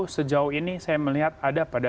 sejauh ini saya melihat ada pada